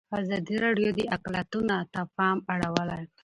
ازادي راډیو د اقلیتونه ته پام اړولی.